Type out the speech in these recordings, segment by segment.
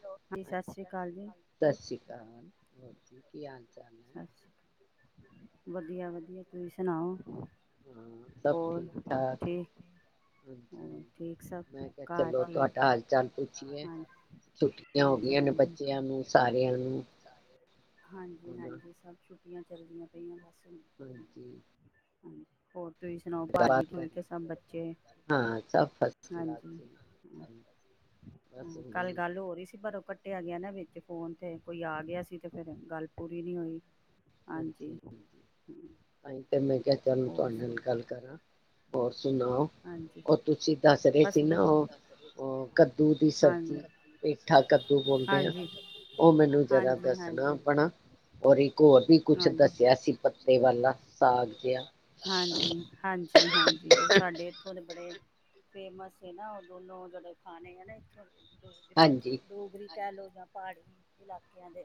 ਲੋਾਂ ਹਾਂਜੀ ਸਤੀ ਸਤਿ ਸ਼੍ਰੀ ਅਕਾਲ ਜੀ ਸਤਿ ਸ਼੍ਰੀ ਅਕਾਲ ਕੀ ਹਾਲ ਚ ਸਤਿ ਸ਼੍ਰੀ ਅਕਾਲ ਵਧੀਆ ਵਧੀਆ ਤੁਸੀਂ ਸੁਣਾਓ ਹਾਂ ਸਭ ਹੋਰ ਠੀਕ ਠਾਕ ਠੀਕ ਹਾਂਜੀ ਹੋਰ ਠੀਕ ਸਭ ਮੈਂ ਕਿਹਾ ਘਰ ਚਲੋ ਠੀਕ ਤੁਹਾਡਾ ਹਾਲ ਚਾਲ ਪੁੱਛੀਏ ਹਾਂ ਛੁੱਟੀਆਂ ਹੋ ਹਾਂਜੀ ਗਈਆਂ ਨੇ ਹਾਂਜੀ ਬੱਚਿਆਂ ਨੂੰ ਸਾਰਿਆਂ ਨੂੰ ਹਾਂਜੀ ਹਨ ਹਾਂਜੀ ਸਭ ਛੁੱਟੀਆਂ ਚੱਲਦੀਆਂ ਪਈਆਂ ਬਸ ਹੁਣ ਹਾਂਜੀ ਹਾਂਜੀ ਹੋਰ ਤੁਸੀਂ ਸੁਣਾਓ ਭਾਜੀ ਗੱਲਬਾਤ ਕਰੀ ਠੀਕ ਸਭ ਬੱਚੇ ਹਾਂ ਸਭ ਫਸਟ ਕਲਾਸ ਹਾਂਜੀ ਜੀ ਬਸ ਹੁਣੇ ਕੱਲ ਹੀ ਗੱਲ ਹੋਰਹੀ ਸੀ ਪਰੋਂ ਕੱਟਿਆ ਗਿਆ ਨਾ ਵਿੱਚ ਫੋਨ ਤੇ ਕੋਈ ਆ ਗਿਆ ਸੀ ਤੇ ਫੇਿਰ ਗੱਲ ਪੂਰੀ ਨਹੀਂ ਹੋਈ ਹਾਂਜੀ ਹਾਂਜੀ ਭ ਤਾਂ ਮੈਂ ਕਿਹਾ ਚਲੂੰ ਹੋਰ ਤੁਹਾਡੇ ਨਾਲ ਗੱਲ ਕਰਾਂ ਹੋਰ ਸੁਣਾਓ ਹਾਂਜੀ ਉਹ ਤੁਸੀਂ ਦੱਸ ਰਹੇ ਬਸ ਸੀ ਨਾ ਉਹ ਕੱਦੂ ਦੀ ਹਾਂਜੀ ਸਬਜ਼ੀ ਪੇਠਾ ਕੱਦੂ ਬੋਲਦੇ ਆ ਹਾਂਜੀ ਉਹ ਮੈਨੂੰ ਜ਼ਰਾ ਹਾਂਜੀ ਦੱਸਣਾ ਹਾਂਜੀ ਆਪਣਾ ਔਰ ਇੱਕ ਹੋਰ ਵੀ ਕੁਛ ਹਾਂਜੀ ਦੱਸਿਆ ਸੀ ਪੱਤੇ ਵਾਲਾ ਸਾਗ ਜਿਹਾ ਹਾਂਜੀ ਹਾਂਜੀ ਹਾਂਜੀ ਉਹ ਸਾਡੇ ਇੱਥੋਂ ਦੇ ਬੜੇ ਫੇਮਸ ਨਾ ਉਹ ਦੋਨੋ ਜਿਹੜੇ ਖਾਣੇ ਆ ਨਾ ਇਥੋਂ ਡਰੀ ਹਾਂਜੀ ਡੋਗਰੀ ਕਹਿ ਲੋਓ ਪਹਾੜੀ ਇਲਾਕਿਆਂ ਦੇ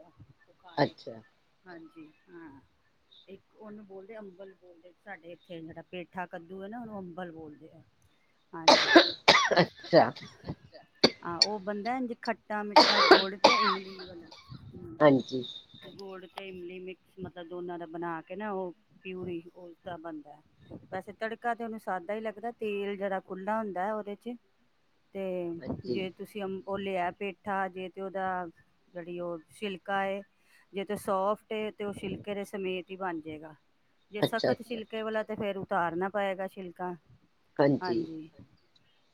ਖਣੇ ਅੱਛਾ ਹਾਂਜੀ ਹਾਂ ਇੱਕ ਉਹਨੂੰ ਬੋਲਦੇ ਅੰਬਲ ਬੋਲਦੇ ਸਾਡੇ ਇੱਥੇ ਜਿਹੜਾ ਪੇਠਾ ਕੱਦੂ ਹੈ ਨਾ ਅੰਬਲ ਬੋਲਦੇ ਆ ਹਾਂਜੀ ਅੱਛਾ ਬਨਦਾ ਇੰਝ ਖੱਟ ਟਾ ਮਿੱਠਾ, ਗੁੜ ਤੇ ਇਮਲੀ, ਹਮ ਹਾਂਜੀ ਗੁੜ ਇਮਲੀ ਮਿਕਸ, ਮਤਲਬ ਦੋਨਾਂ ਦਾ ਬਣਾ ਕੇ ਨਾ ਓ ਪਿਊਰੀ, ਉਸਦਾ ਬਣਦਾ ਐ। ਵੈਸੇ ਤੜਕਾ ਤੇ ਉਹਨੂੰ ਸਾਦਾ ਹੀ ਲੱਗਦਾ, ਤੇਲ ਜਰਾ ਖੁੱਲ੍ਹਾ ਹੁੰਦਾ ਉਹਦੇ 'ਚ। ਤੇ ਹਾਂਜੀ ਜੇ ਤੁਸੀਂ ਅਮ ਓ ਲੇਆ ਪ ਪੇਠਾ ਜੇ ਤੇ ਉਹਦਾ ਜਿਹੜੀ ਉਹ ਛਿਲਕਾ ਏ, ਜੇ ਤੇ ਸੋਫਟ ਏ ਤੇ ਉਹ ਛਿਲਕੇ ਦੇ ਸਮੇਤ ਈ ਬਣ ਜੇਗਾ। ਜੇ ਅੱਛਾ ਸਖਤ ਅੱਛਾ ਛਿਲਕੇ ਵਾਲਾ ਤੇ ਫੇਰ ਉਤਾਰਨਾ ਪਏਗਾ ਸ਼ਿਲਕ ਕਾ। ਹਾਂਜੀ।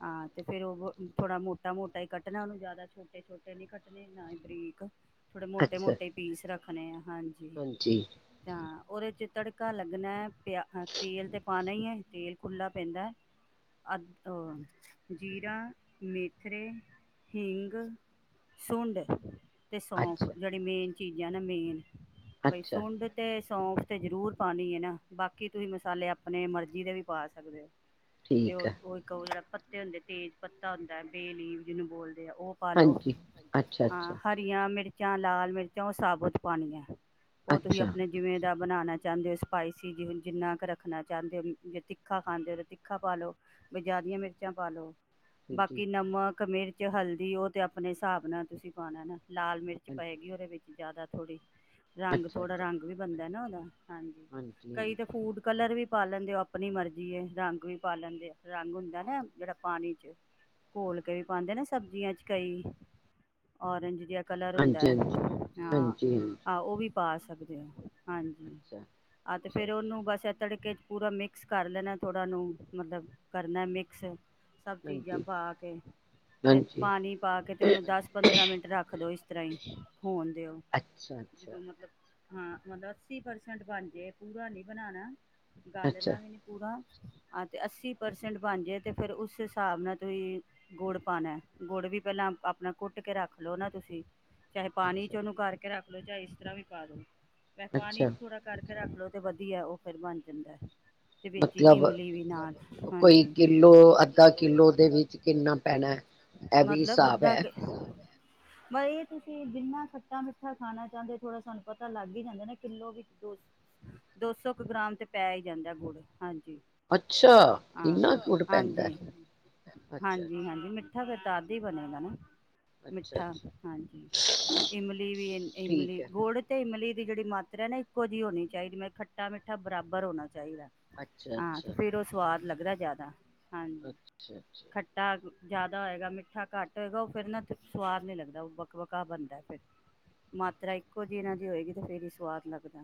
ਹਾਂ ਤੇ ਫੇਰ ਉਹ ਬ ਥੋੜਾ ਮੋਟਾ ਮੋਟਾ ਈ ਕੱਟਣਾ ਉਹਨੂੰ, ਜ਼ਿਆਦਾ ਛੋਟੇ ਛੋਟੇ ਨੀ ਕੱਟਣੇ, ਨਾ ਹੀ ਬਰੀਕ। ਥੋੜੇ ਮੋਟੇ ਅੱਛਾ ਮੋਟੇ ਈ ਪੀਸ ਰੱਖ ਰੱਖਣੇ ਹਾਂ। ਹਾਂਜੀ। ਤਾਂ ਉਹਦੇ 'ਚ ਤੜਕਾ ਲੱਗਣਾ ਐ, ਪਿਆ ਤੇਲ ਤੇ ਪਾਣਾ ਈ ਐ। ਤੇਲ ਖੁੱਲ੍ਹਾ ਪੈਂਦਾ। ਅਦ ਅ ਜੀ਼ਰਾ, ਮੇਥਰੇ, ਹਿੰਗ, ਸੁੰਡ ਅਤੇ ਸੌਂਫ ਅੱਛਾ ਜੇੜੇ ਮੇਨ ਚੀਜ਼ਾਂ ਨੇ ਮੇਨ। ਬਈ ਅੱਛਾ ਸੁੰਡ ਤੇ ਸ ਸੌਂਫ ਤੇ ਜ਼ਰੂਰ ਪਾਣੀ ਐ ਨਾ, ਬਾਕੀ ਤੁਹੀਂ ਮਸਾਲੇ ਆਪਣੇ ਮਰਜ਼ੀ ਦੇ ਵੀ ਪਾ ਸਕਦੇ ਓ। ਤੇ ਠੀਕ ਉਹ ਹੈ ਉਹ ਇੱਕ ਉਹ ਜੇੜਾ ਪਤ ਤੇ ਹੁੰਦੇ, ਤੇਜ ਪੱਤਾ ਹੁੰਦਾ ਐ, ਬੇਅ ਲੀਫ ਜਿਨੂੰ ਬੋਲ ਦੇ ਆ, ਉਹ ਪਾਲੋ। ਹਾਂਜੀ ਅੱਛਾ ਅੱਛਾ ਹਾਂ, ਹਰੀਆਂ ਮਿਰਚ ਜਾਂ ਲਾਲ ਮਿਰਚਾਂ ਉਹ ਸਾਬਤ ਪਾਣੀਆਂ ਐ। ਉਹ ਤੁਸੀਂ ਅੱਛਾ ਆਪਣੇ ਜਿਵੇੇਂ ਦਾ ਬਣਾਣਾ ਚਾਂਦੇ ਓ ਸਪਾਈਸੀ, ਜਿ-ਜਿੰਨਾ ਕੁ ਰੱਖਣਾ ਚਾਂਦੇ ਓ, ਜਿਵ ਤਿੱਖਾ ਖਾਂਦੇ ਓ ਤੇ ਤਿੱਖਾ ਪਾ ਲੋ, ਵੀ ਜ਼ਿਆਦੀਆਂ ਮਿਰਚਾਂ ਪਾ ਲੋ। ਹਾਂਜੀ ਬਾਕੀ ਨਮਕ ਮਿਰਚ ਹਲਦੀ ਉਹ ਤੇ ਆਪਣੇ ਹਿਸਾਬ ਨਾਲ ਤੁਸੀਂ ਪਾਣਾ ਨਾ। ਲਾਲ ਮਿਰਚ ਹਾਂਜੀ ਪਏਗੀ ਉਹਦੇ ਵਿੱਚ ਜ਼ਿਆਦਾ ਥੋੜ੍ਹੀ ਰੰਗ ਅੱਛਾ ਥੋੜਾ ਅੱਛਾ ਰੰਗ ਵੀ ਬਣਦਾ ਐ ਨਾ ਓਦਾ। ਹਾਂਜੀ, ਕਈ ਤਾਂ ਫੂਡ ਕਲਰ ਵੀ ਪਾ ਲੈਂਦੇ ਓ ਅਪ ਆਪਣੀ ਮਰਜ਼ੀ ਹੈ ਰੰਗ ਵੀ ਪਾ ਲੈਂਦੇ ਰੰਗ ਹੁੰਦਾ ਨਾ ਜਿਹੜਾ ਪਾਣੀ 'ਚ ਘੋਲ ਕੇ ਵੀ ਪਾਉਂਦੇ ਨਾ ਸਬਜ਼ੀਆਂ 'ਚ ਕਈ ਔਰਂਜ ਦੀਆਂ ਕ ਹੁੰਦਾ ਹਾਂਜੀ ਹਾਂਜੀ ਹਾਂਜੀ ਹਾਂਜੀ ਉਹ ਪਾ ਸਕਦੇ ਹੋਾਂ ਹਾਂਜੀ ਅੱਛਾ ਆਹ ਅਤੇ ਅੱਛਾ ਫਿਰ ਅੱਛਾ ਉਹਨੂੰ ਬਸ ਇ ਤੜਕੇ ਪੂਰਾ ਮਿਕ ਮਿਕਸ ਕਰ ਲੈਣਾ ਥੋੜ੍ਹਾਨ ਮਤਲਬ ਕਰਨਾ ਮਿਕਸ ਸਭ ਚੀਜ਼ਾਂ ਹਾਂਜੀ ਪਾ ਕੇ ਤੇ ਹਾਂਜੀ ਪਾਣੀ ਪਾ ਕੇ ਤੇ ਉਹਨੂੰ ਦਸ ਪੰਦਰਾਂ ਮਿੰਟ ਰੱਖ ਦੋ ਤੰ ਹੋਣ ਦਿਓ ਅੱਛਾ ਅੱਛਾ ਜਦੋਂ ਮਤਲਬ ਹਾਂ ਮਤਲਬ ਅੱਸੀ ਪਰਸੈਂਟ ਬਣ ਜਾਏ ਪੂਰਾ ਨੀ ਬਣਾਣਾ ਅੱਛਾ ਗਾਲਣਾ ਵੀ ਨੀ ਪੂਰਾ ਹਾਂ ਅਤੇ ਅੱਸੀ ਪਰਸੈਂਟ ਬਣ ਜਾਏ ਅਤੇ ਫਿਰ ਉਸ ਹਿਸਾਬ ਨਾਲ ਤੁਸੀਂ ਗੁੜ ਪਾਉਣਾ ਗੁੜ ਵੀ ਪਹਿਲਾਂ ਆਪਣਾ ਕੁੱਟ ਕੇ ਰੱਖ ਲਉ ਨਾ ਤੁਸੀਂ ਚਾਹੇ ਪਾਣੀ ਚ ਅੱਛਾ ਉਹਨੂੰ ਕਰਕੇ ਰੱਖ ਲੋ ਜਾਂ ਇਸ ਤਰ੍ਹਾਂ ਵੀ ਪਾ ਦੋ ਵਪਣੀ ਅੱਛਾ ਚ ਥੋੜਾ ਕਰਕੇ ਫਿਰ ਅਗਲੋ ਤੇ ਵਧੀਆ ਉਹ ਫੇਰ ਬਣ ਜਾਂਦਾ ਹੈ ਤੇ ਵਿੱਚ ਮਤਲਬ ਇਮਲੀ ਵੀ ਨਾਲ ਕੋਈ ਹਾਂਜੀ ਕਿੱਲੋ ਅੱਧਾ ਕਿੱਲੋ ਦੇ ਵਿੱਚ ਕਿੰਨਾ ਪੈਣਾ ਹੈ। ਇਹ ਵੀ ਮਤਲਬ ਹਿਸਾਬ ਅੱਧਾ ਹੈ ਪਰ ਇਹ ਤੁਸੀਂ ਜਿੰਨਾ ਖੱਟਾ ਮਿੱਠਾ ਖਾਣਾ ਚਾਹੁੰਦੇ ਹੋ ਥੋੜ੍ਹਾ ਸਾਨੂੰ ਪਤਾ ਲੱਗ ਹੀ ਜਾਂਦਾ ਨਾ ਕਿੱਲੋ ਵਿੱਚ ਦੋ ਦੋ ਸੌ ਕੁ ਗ੍ਰਾਮ ਤੇ ਪੈ ਹੀ ਜਾਂਦਾ ਹਾਂਜੀ ਅੱਛਾ ਹਾਂ ਇੰਨਾ ਕੂਟ ਪੈਂਦਾ ਹਾਂਜੀ ਅੱਛਾ ਅਛਾ ਬਣੇ ਮਿੱਠਾ ਹਾਂਜੀ ਇਮਲੀ ਵੀ ਠੀਕ ਇਮਲੀ ਹੈ ਗੁੜ ਤੇ ਇਮਲੀ ਦੀ ਜਿਹੜੀ ਮਾਰਾ ਹੈ ਨਾ ਇੱਕੋ ਜਿਹੀ ਹੋਣੀ ਚਾਹੀਦੀ ਮੈਂ ਖੱਟਾ ਮਿੱਠਾ ਬਰਾਬਰ ਹੋਣਾ ਚਾਹੀਦਾ ਅੱਛਾ ਹਾਂ ਅੱਛਾ ਤੇ ਫਿਰ ਉਹ ਸਵਾਦ ਲੱਗਦਾ ਜ਼ਿਆਦਾ ਹਾਂਜੀ ਅੱਛਾ ਅੱਛਾ ਖੱਟਾ ਜ਼ਿਆਦਾ ਹੋਏਗਾ ਮਿੱਠਾ ਘੱਟ ਹੋਏਗਾ ਉਹ ਫਿਰ ਨਾ ' ਸਵਾਦ ਨਹੀਂ ਲੱਗਦਾ ਉਹ ਬੱਕਬਕਾਾਹ ਬਣਦਾ ਫਿਰ ਮਾਤਰਾ ਇੱਕੋ ਜਿਹੀ ਇਹਨਾਂ ਦੀ ਹੋਏਗੀ ਤਾਂ ਫਿਰ ਹੀ ਸਵਾਦ ਲੱਗਦਾ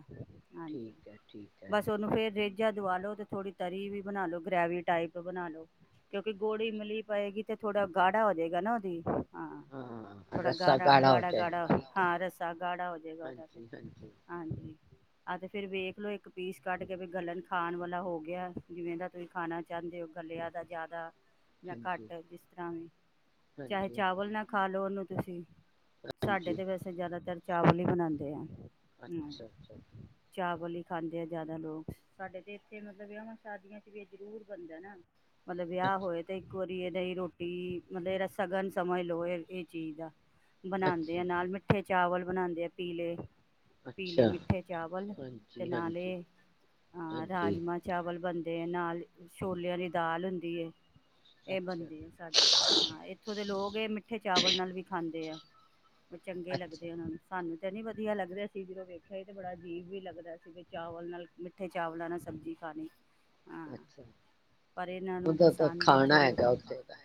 ਹਾਂਜੀ ਠੀਕ ਹੈ ਠੀਕ ਹੈ ਬਸ ਉਹਨੂੰ ਫੇਿਰੇ ਦਵਾ ਲੋ ਤੇ ਥੋੜੀ ਤਰੀ ਵੀ ਬਣਾ ਲੋ ਗ੍ਰੈਵੀ ਟਾਈਪ ਬਣਾ ਲ ਲੋ ਕਿਉਂਕਿ ਗੋਲੀ ਮਿਲੀ ਪਏਗੀ ਤੇ ਥੋੜਾ ਗਾੜਾ ਹੋ ਜਾਏਗਾ ਨਾ ਉਹਦੀ ਹਾਂ ਹਾਂ ਥੋੜ੍ਹਾ ਰੱਸਾ ਗਾੜਾ ਹੋ ਗਾੜਾ ਜਾਏਗਾ ਗਾੜਾ ਠੀਕ ਹੈ ਹਾਂ ਰੱਸਾ ਗਾੜਾ ਹੋ ਜਾਵੇਗਾ ਉਹਦਾ ਹਾਂਜੀ ਫਿਰ ਹਾਂਜੀ ਹਾਂਜੀ ਆਹ ਤੇ ਫੇਰ ਵੇਖਲੋ ਇੱਕ ਪੀਸ ਕੱਢ ਕੇ ਵੀ ਗਲਣ ਖਾਣ ਵਾਲਾ ਹੋ ਗਿਆ ਜਿਵੇਂ ਦਾ ਤੁਸੀਂ ਖਾਣਾ ਚਾਹੁੰਦੇ ਹੋ ਗਲਿਆਂ ਦਾ ਜ਼ਿਆਦਾ ਜਾਂ ਹਾਂਜੀ ਘੱਟ ਜਿਸ ਤਰ੍ਹਾਂ ਵੀ ਚਾਹੇ ਹਾਂਜੀ ਚਾਵਲ ਹਾਂਜੀ ਨਾ ਖਾ ਲਓ ਉਹਨੂੰ ਤੁਸੀਂ ਸਾਡੇ ਹਾਂਜੀ ਤੇ ਵੈਸੇ ਜ਼ਿਆਦਾਤਰ ਚਾਵਲ ਹੀ ਬਣਾਉਂਦੇ ਆ ਅੱਛਾ ਅੱਛਾ ਚਾਵਲ ਹੀ ਖਾਂਦੇ ਆ ਜ਼ਿਆਦਾ ਲੋਕ- ਸਾਡੇ ਤੇ ਇੱਥੇ ਮਤਲਬ ਇਹਾਂ ਸ਼ਾਦੀਆਂ ਚ ਵੀ ਜ਼ਰੂਰ ਬਣਦੇ ਨਾ ਮਤਲਬ ਵਿਆਹ ਅੱਛਾ ਹੋਏ ਤੇ ਇੱਕ ਵਾਰੀ ਇਹ ਨਹੀਂ ਹੀ ਰੋਟੀ ਮਤਲਬ ਇਹਦਾ ਸਗਨ ਸਮਝ ਲਓ ਇਹ ਇਹ ਚੀਜ਼ ਦਾ ਬਣਾਉਂਦੇ ਅੱਛਾ ਆ ਨਾਲ ਮਿੱਠੇ ਚਾਵਲ ਬਣਾਉਦੇ ਆ ਪੀਲੇ ਅੱਛਾ ਪੀਲੇ ਮਿੱਠੇ ਚਾਵਲ ਤੇ ਹਾਂਜੀ ਹਾਂਜੀ ਨਾਲੇ ਹਾਂ ਹਾਂਜੀ ਰਾਜਮਾ ਚਾਵਲ ਬਣਦੇ ਦੇ ਨਾਲ ਛੋਲਿਆਂ ਵਾਲੀ ਦਾਲ ਹੁੰਦੀ ਐ। ਇਹ ਅੱਛਾ ਬਣਦੇ ਆ ਸਾਡੇ ਹਾਂ ਇੱਥੋਂ ਦੇ ਲੋਕ ਇਹ ਮਿੱਠੇ ਚਾਵਲ ਨਾਲ ਵੀ ਖਾਂਦੇ ਆ। ਉਹ ਚੰਗੇ ਅੱਛਾ ਲੱਗਦੇ ਉਹਨਾਂ ਨੂੰ ਸਾਨੂੰ ਨਹੀਂ ਵਧੀਆ ਲੱਗ ਰਿਹਾ ਸੀ ਜਦੋਂ ਵੇਖਿਆ ਹੀ ਤੇ ਬੜਾ ਅਜੀਬ ਵੀ ਲੱਗਦਾ ਸੀ ਵੀ ਚਾਵਲ ਨਾਲ ਮਿੱਠੇ ਚਾਵਲ ਨਾਲ ਸਬਜ਼ੀ ਖਾਣੀ ਹਾਂ ਅੱਛਾ ਪਰ ਇਹਨਾਂ ਨੂੰ ਉਹਦਾ ਤਾਂ ਪਸੰਦ ਖਾਣਾ ਹੈਗਾ ਉੱਥੇ ਦਾ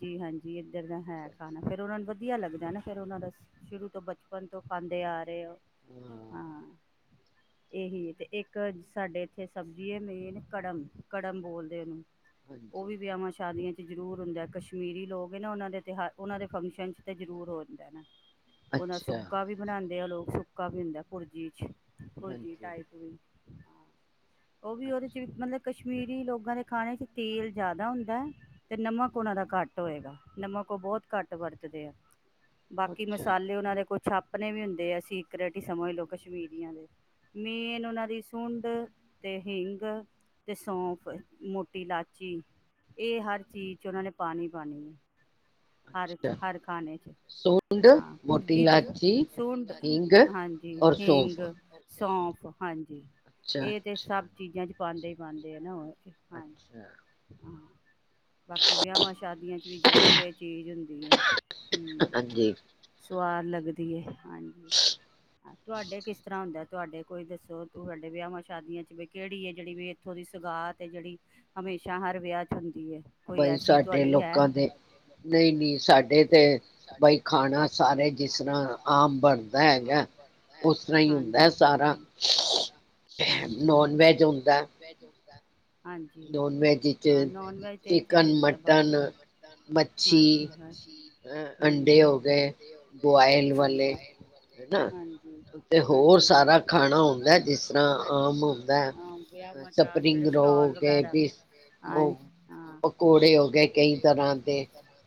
ਜੀ ਹਾਂਜੀ‌ ਹੈ ਖਾਣਾ ਅੱਛਾ-ਅੱਛਾ, ਫਿਰ ਉਹਨਾਂ ਨੂੰ ਵਧੀਆ ਲੱਗਦਾ ਨਾ ਫੇਰ ਉਹਨਾਂ ਦਾ ਸ਼ੁਰੂ ਤੋਂ ਬਚਪਨ ਤੋਂ ਖਾਦੇ ਆ ਰਹੇ ਹੋ ਹਾਂ ਇਹੀ ਤੇ ਇੱਕ ਸਾਡੇ ਇੱਥੇ ਸਬਜ਼ੀ ਹੈ ਮੇਨ ਕੜਮ ਕੜਮ ਬੋਲਦੇ ਉਹਨੂੰ ਉਹ ਹਾਂਜੀ ਵੀ ਵਿਆਹਵਾਂ ਸ਼ਾਦੀਆਂ ਚ ਜ਼ਰੂਰ ਹੁੰਦਾ ਕਸ਼ਮੀਰੀ ਲੋਕ ਨਾ ਉਹਨਾਂ ਦੇ ਤਿਉਹਾਰ ਉਹਨਾਂ ਦੇ ਫੰਕਸ਼ਨ ਚ ਤੇ ਜ਼ਰੂਰ ਹੋਦਾ ਨਾ। ਉਹ ਨਾਲ ਅੱਛਾ ਸੁੱਕਾ ਵੀ ਬਣਾਉਦੇ ਦੇ ਲੋਕ ਸੁੱਕਾ ਪੀਦਾ ਭੁਰਜੀ 'ਚ ਹੋਜੀ ਹਾਂਜੀ ਟਾਈਪ ਵੀ ਹਾਂ ਉਹ ਵੀ ਉਹਦੇ ਚ ਵੀ ਅੱਛਾ ਮਤਲਬ ਕਸ਼ਮੀਰੀ ਲੋਕਾਂ ਦੇ ਖਾਣੇ ਚ ਤੇਲ ਜ਼ਿਆਦਾ ਹੁੰਦਾ ਹੈ ਤੇ ਨਮਕ ਉਹਨਾਂ ਦਾ ਘੱਟ ਹੋਏਗਾ ਨਮਕ ਉਹ ਬਹੁਤ ਘੱਟ ਵਰਤਦੇ ਆ। ਬਾਕੀ ਅੱਛਾ ਮਸਾਲੇ ਉਹਨਾਂ ਦੇ ਕੁਛ ਆਪਣੇ ਵੀ ਹੁੰਦੇ ਆ ਸੀਕਰਟ ਹੀ ਸਮਝ ਲੋਓ ਕਸ਼ਮੀਰੀਆਂ ਦੇ ਮੇਨ ਉਹਨਾਂ ਦੀ ਸੁੰਡ ਤੇ ਹਿੰਗ ਅਤੇ ਸੌਂਫ ਮੋਟੀ ਇਲਾਚੀ ਇਹ ਹਰ ਚੀਜ਼ 'ਚ ਉਹਨਾਂ ਨੇ ਪਾਣੀ ਪਾਣੀ ਹੈ। ਹਰ ਅੱਛਾ ਹਰ ਖਾਣੇ ਚ ਸੁੰਡ ਹਾਂ ਮੋਟੀ ਭੁਰਜੀ ਤੇ ਇਲਾਚੀ ਸੁੰਡ ਹਿੰਗ ਹਾਂਜੀ ਔਰ ਹਿੰਗ ਸੌਂਫ ਸੌਂਫ। ਹਾਂਜੀ ਅੱਛਾ ਇਹ ਤੇ ਅੱਛਾ ਸਭ ਚੀਜ਼ਾਂ ਚ ਪਾਾਂਦੇ ਹੀ ਪ ਪਾਾਂਦੇ ਹੈ ਨਾ ਉਹ ਅੱਛਾ ਬਾਕੀ ਵਿਆਹਵਾਂ ਸ਼ਾਦੀਆਂ ਚ ਵੀ ਜ਼ਰੂਰ ਚੀਜ਼ ਹੁੰਦੀ ਹੈ ਹ ਹਾਂਜੀ ਸਆਦ ਲੱਗਦੀ ਾਂਜੀ ਤੁਹਾਡੇ ਕਿਸ ਤਰ੍ਹਾਂ ਹੁੰਦਾ ਤੁਹਾਡੇ ਕੋਈ ਦੱਸੋ ਤੂੰ ਸਾਡੇ ਵਿਆਹਵਾਂ ਸ਼ਾਦੀਆਂ ਚ ਵੀ ਕਿਹੜੀ ਹੈ ਜਿਹੜੀ ਵੀ ਇੱਥੋਂ ਦੀ ਸਗਾਤ ਹੈ ਜਿਹੜੀ ਹਮੇਸ਼ਾ ਹਰ ਵਿਆਹ ਚ ਹੁੰ ਬਾਈ ਸਾਡੇ ਲੋਕਾਂ ਦੇ ਨਹੀਂ ਨਹੀਂ ਸਾਡੇ ਤੇ ਬਈ ਖਾਣਾ ਸਾਰੇ ਜਿਸ ਡ ਤਰ੍ਹਾਂ ਆਮ ਬਣਦਾ ਹੈਗਾ ਉਸ ਤਰ੍ਹਾਂ ਹੀ ਹੁੰਦਾ ਸਣਾ ਸਾਰਾ ਨੋਨ ਵੈਜ ਹੁੰਦਾ ਹ ਹਾਂਜੀ ਨੋਨ ਵੈਜ ਵਿੱਚ ਹਾਂ ਨੋਨ ਵੈਜ ਤਾਂ ਇੱਥੇ ਚਿਕਨ ਵੀ ਹੁੰਦਾ ਵੱਧ ਮਟਨ ਵ ਮਾਂਜੀ ਹਰ ਹੈ ਅੰਡੇ ਹੋ ਗਏ ਬੁਆਇਲ ਹਮ ਵਾਲੇ ਹਾਂਜੀ ਹਨਾ ਹਾਂਜੀ ਤੇ ਹੋਰ ਹਾਂਜੀ ਹਾਂਜੀ ਸਾਰਾ ਹੋਰ ਖਾਣਾ ਸਾਰਾ ਹੁੰਦਾ ਜਿਸ ਖਾਣਾ ਤਰ੍ਹਾਂ ਹੁੰਦਾ ਜਿਸ ਆਮ ਹੁੰਦਾ ਤਰ੍ਹਾਂ ਹਾਂ ਵਿਆਹਾਂ ਚ ਆ ਸਪਰਿੰਗ ਜਿਹੜੇ ਰੋ ਹੋ ਸਟਾਲ ਗਏ ਵਗੈਰਾ ਵੀ ਹਾਂ ਹਾਂ ਪਕੌੜੇ ਹੋ ਗਏ ਕਈ ਪਕੌੜੇ ਹੋ ਗਏ ਤਰ੍ਹਾਂ ਕਈ ਦੇ ਤਰ੍ਹਾਂ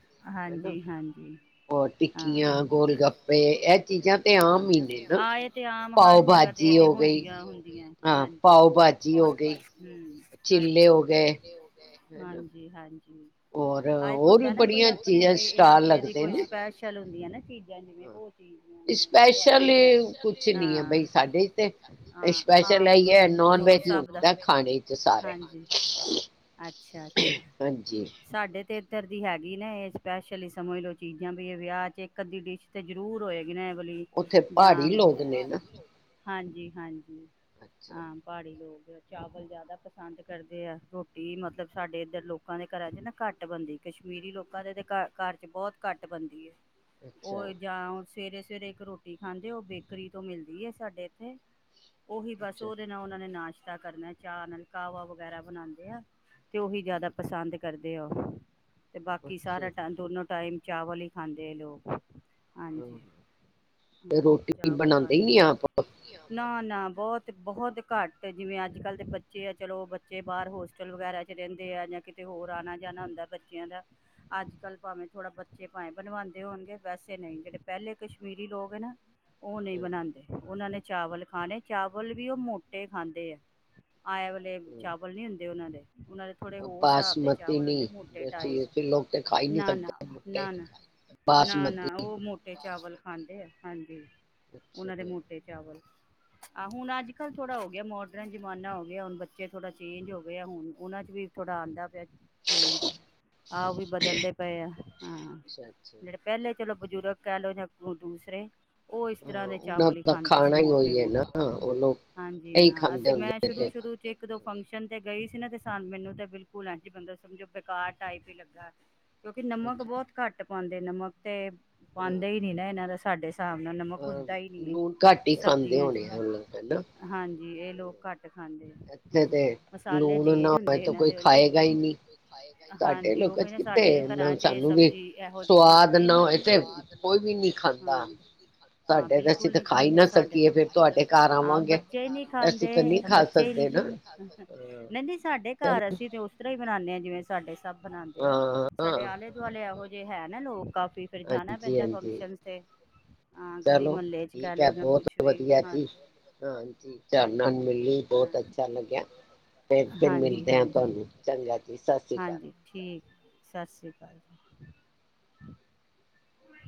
ਹਨਾ ਹਾਂਜੀ ਹਾਂਜੀ ਔਰ ਟਿੱਕੀਆਂ ਹਾਂ ਗੋਲ ਗੱਪੇ ਇਹ ਚੀਜ਼ਾਂ ਤੇ ਆਮ ਹੀ ਨੇ ਨਾ ਆਏ ਤੇ ਆਮ ਪਾਓ ਹਰ ਜਗ੍ਹਾ ਤੇ ਭਾਜੀ ਤੇ ਹੋ ਗਈ ਹੁੰਦੀਆਂ ਹੁੰਦੀਆਂ ਹਾਂ ਹਾਂਜੀ ਪਾਓ ਭਾਜੀ ਹੋ ਗਈ ਹਮ ਚਿੱਲੇ ਹਾਂਜੀ ਹੋ ਗਏ ਹਨਾ ਹਾਂਜੀ ਹਾਂ ਹੋਰ ਵੀ ਹੁੰਦਾ ਨਾ ਕੋਈ ਬੜੀਆਂ ਆਪਣੇ ਚੀਜ਼ਾਂ ਕੋ ਸਟਾਲ ਇਲਾਕੇ ਦੀ ਲੱਗਦੇ ਕੋਈ ਨੇ ਸਪੈਸ਼ਲ ਹਦੀ ਨਾ ਚੀਾਂ ਜਿਵੇ ਹਾਂ ਚ ਤੁਡ ਸਪੈਸ਼ਲ ਕੁਛ ਨਹੀਂ ਹੈ ਹਾਂ ਬਈ ਸਾਡੇ ਤੇ ਹਾਂ ਸਪੈਸ਼ਲ ਆਮ ਹੈ ਹੀ ਹੈ ਨੋਨ ਜੋ ਵੈਜ ਹੀ ਦਾ ਹੁੰਦਾ ਖਾਣੇ ਚ ਸਾਰੇ ਹਾਂਜੀ ਅੱਛਾ ਅੱਛਾ ਹਾਂਜੀ ਸਾਡੇ ਤੇ ਇੱਧਰ ਦੀ ਹੈਗੀ ਨਾ ਇਹ ਸਪੈਸ਼ਲੀ ਸਮਝ ਲੋਓ ਚੀਜ਼ਾਂ ਵੀ ਇਹ ਵਿਆਹ ਚ ਇੱਕ ਅੱਧੀ ਡਿਸ਼ ਤੇ ਜ਼ਰੂਰ ਹੋਏਗੀ ਬ ਉੱਥੇ ਜਾਂ ਪਹਾੜੀ ਲੋਕ ਨੇ ਨਾ ਹਾਂਜੀ ਹਾਂਜੀ ਅੱਛਾ ਹਾਂ ਪਹਾੜੀ ਲੋਕ ਚਾਵਲ ਜ਼ਿਆਦਾ ਪਸੰਦ ਕਰਦੇ ਆ ਰੋਟੀ ਮਤਲਬ ਸਾਡੇ ਇੱਧਰ ਲੋਕਾਂ ਦੇ ਘਰਾਂ ਚ ਨਾ ਘੱਟ ਬਣਦੀ ਕਸ਼ਮੀਰੀ ਲੋਕਾਂ ਦੇ ਤੇ ਘ ਘਰ ਚ ਬਹੁਤ ਘੱਟ ਬਣਦੀ ਹੈ ਅੱਛਾ ਉਹ ਜਾਂ ਓ। ਸਵੇਰੇ-ਸਵੇਰੇ ਇੱਕ ਰੋਟੀ ਖਾਂਦੇ ਉਹ ਬੇਕਰੀ ਤੋਂ ਮਿਲਦੀ ਹੈ ਸਾਡੇ ਇੱਥੇ। ਉਹੀ ਬਸ ਅੱਛਾ ਉਹਦੇ ਨਾਲ ਉਹਨਾਂ ਨੇ ਨਾਸ਼ ਏਦਾ ਕਰਦੇ ਹਾਂ ਚਾਹ ਨਾਲ ਕਾਹਵਾ ਵਗੈਰਾ ਬਣਾਉਂਦੇ ਆ ਤੇ ਉਹੀ ਜ਼ਿਆਦਾ ਪਸੰਦ ਕਰਦੇ ਆ। ਅਤੇ ਬਾਕੀ ਸਾਰਾ ਅੱਛਾ ਟਾਈਮ ਦੋਨੋਂ ਟਾਈਮ। ਚਾਵਲ ਹੀ ਖਾਂਦੇ ਲੋਕ। ਹਮ, ਤੇ [unintelligible] ਰੋਟੀ ਬਣਾਉਂਦੇ ਹੀ ਨਹੀਂ ਆਪ ਨਾ ਬਹੁਤ-ਬਹੁਤ ਘੱਟ ਜਿਵੇਂ ਅੱਜ ਕੱਲ੍ਹ ਦੇ ਬੱਚੇ ਆ ਚਲੋ ਬੱਚੇ ਬਾਹਰ ਹੋਸਟਲ ਵਗੈਰਾ 'ਚ ਰਹਿੰਦੇ ਆ ਜਾਂ ਕਿਤੇ ਹੋਰ ਆਉਣਾ ਜਾਣਾ ਹੁੰਦਾ। ਬੱਚਿਆਂ ਦਾ ਅੱਜ ਕੱਲ੍ਹ ਭਾਵੇਂ ਥੋੜ੍ਹਾ ਬੱਚੇ ਭਾਵੇਂ ਬਣਵਾਉਂਦੇ ਹੋਣਗੇ ਵੈਸੇ ਨਹੀਂ ਜਿਹੜੇ ਪਹਿਲੇ ਕਸ਼ਮੀਰੀ ਲੋਕ ਨਾ। ਉਹ ਨਹੀਂ ਬਣਾਉਂਦੇ। ਉਹਨਾਂ ਨੇ ਚਾਵਲ ਖਾਣੇ ਚਾਵਲ ਵੀ ਉਹ ਮੋਟੇ ਖਾਂਦੇ ਆ। ਆਏ ਵਾਲੇ ਚਾਵਲ ਨਹੀਂ ਹੁੰਦੇ ਉਹਨਾਂ ਦੇ। ਉਹਨਾਂ ਦੇ ਥੋੜ੍ਹੇ ਹੋਰ ਹਿਸਾਬ ਦੇ ਚਾਵਲ ਹੁੰਦੇ ਮੋਟੇ। ਅਸੀ ਲੋਕ ਤੇ ਖਾ ਹੀ ਟਾਈਪ ਨਹੀਂ ਨਾ ਨਾ ਸਕਦੇ। ਮੋਟੇ ਨਾ ਨਾ ਨਾ ਨਾ ਬਾਸਮਤੀ ਉਹ ਮੋਟੇ ਚਾਵਲ ਖਾਂਦੇ ਆ ਹਾਂਜੀ। ਅੱਛਾ ਉਹਨਾਂ ਦੇ ਮੋਟੇ ਚਾਵਲ। ਆਹ ਹੁਣ ਅੱਜ ਕੱਲ੍ਹ ਥੋੜ੍ਹਾ ਹੋ ਗਿਆ ਮੋਡਰਨ ਜਮਾਨਾ ਹੋ ਗਿਆ ਹੁਣ ਬੱਚੇ ਥੋੜ੍ਹਾ ਚੇਂਜ ਹੋ ਗਏ ਆ ਹੁਣ ਉਹਨਾਂ ਚਚ ਵੀ ਥੋੜਾ ਆਉਂਦਾ ਪਿਆ। ਠੀਕ। ਆਹ ਵੀ ਬਦਲਦੇ ਪਏ ਆ ਹਾਂ ਅੱਛਾ ਅੱਛਾ ਜਿਹੜੇ ਪਹਿਲੇ ਚਲੋ। ਬਜ਼ੁਰਗ ਕਹਿ ਲਓ ਜਾਂ ਦੂਸਰੇ। ਉਹ ਇਸ ਹਾਂ ਤਰ੍ਹਾਂ ਦੇ ਉਹਨਾਂ ਚਾਵਲ ਹੀ ਦਾ ਖਾਂਦੇ ਸੀ ਖਾਣਾ ਹੀ ਹੋਈ ਹੈ ਮੋਟੇ-ਮੋਟੇ ਨਾ ਉਹ ਲੋਕ ਹਾਂਜੀ ਇਹੀ ਹਾਂ ਖਾਂਦੇ ਅਸੀਂ ਮੈਂ ਹੁੰਦੇ ਤੇ ਸ਼ੁਰੂ-ਸ਼ੁਰੂ ਚ ਇੱਕ ਦੋ। ਫੰਕਸ਼ਨ 'ਤੇ ਗਈ ਸੀ ਨਾ ਅਤੇ ਸਾਨੂੰ ਮੈਨੂੰ ਤਾਂ ਬਿਲਕੁਲ ਅੱਜ ਬਣਦਾ ਸੀ ਸਮਝੋ ਬੇਕਾਰ। ਟਾਈਪ ਹੀ ਲੱਗਾ। ਕਿਉਂਕਿ ਨਮਕ ਬਹੁਤ ਘੱਟ। ਪਾਉਂਦੇ ਨਮਕ ਤੇ। ਅੱਛਾ ਪਾਉਂਦਾ ਹੀ ਨੀ ਨਾ ਇਹਨਾਂ ਦਾ। ਸਾਡੇ। ਹਿਸਾਬ ਨਾਲ ਨਮਕ ਅਹ ਉੱਜਦਾ ਹੀ ਨਹੀਂ ਲੂਣ ਹੈ ਘੱਟ ਹੀ ਖਾਂਦੇ ਸਬਜ਼ੀਆਂ ਹੋਣੇ ਆ ਉਹ ਲੋਕ ਚ ਹਨਾ। ਹਾਂਜੀ। ਜੀ ਇਹ ਲੋਕ ਘੱਟ। ਖਾਂਦੇ ਆ ਇੱਥੇ ਹ ਤੇ ਮਸਾਲੇ ਲੂਣ ਨਾ ਤੇਜ ਹੋਏ ਹੁੰਦੇ ਤਾਂ ਇਹਨਾਂ ਕੋਈ ਦੇ ਉਂਝ। ਖਾਏਗਾ ਹੀ ਨਹੀਂ। ਸਾਡੇ ਲੋਕਾਂ ਚ ਕਿੱਥੇ ਸਾਨੂੰ ਵੀ ਸਵਾਦ ਨਾ ਹੋਏ ਤੇ ਕੋਈ ਵੀ ਨਹੀਂ ਖਾਂਦਾ। ਸਾਡੇ ਤਾਂ ਅਸੀਂ ਤਾਂ ਖਾ ਹੀ ਨਾ ਸਕੀਏ ਫੇਰ ਤੁਹਾਡੇ ਘਰ ਆਵਾਂਗੇ। ਅਸੀਂ ਤਾਂ ਨਹੀਂ ਖਾ ਸਕਦੇ ਨਾ [unintelligible] [unintelligible] ਸਾਡੇ ਚ। ਸਭ ਬਣਾਉਂਦੇ ਆ ਹਾਂ ਹਾਂ। ਸਾਡੇ ਆਲੇ ਦੁਆਲੇ ਇਹੋ ਜਿਹੇ ਜੇ ਹੈ ਨਾ ਲੋਕ ਫਿਰ ਜਾਣਾ ਹਾਂਜੀ ਪੈਂਦਾ ਹਾਂਜੀ ਫੰਕਸ਼ਨ ਤੇ ਹਾਂ ਗਲੀ ਮੁਹੱਲੇ ਚ ਕਹਿ ਲਓ ਜਾਂ ਕੁਛ ਵੀ ਹਾਂਜੀ ਹਾਂਜੀ ਹਾਂ ਹਾਂਜੀ ਹਾਂਜੀ ਚਲੋ ਸ੍ਰੀ ਅਕਾਲ। ਹਾਂਜੀ ਠੀਕ ਸਤਿ ਸ਼੍ਰੀ ਅਕਾਲ ਜੀ